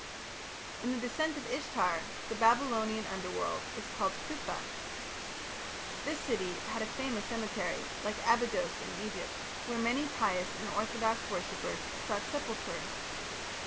In the "Descent of Ishtar" the Babylonian Underworld is called Cuthah. This city had a famous cemetery, like Abydos in Egypt, where many pious and orthodox worshippers sought sepulture.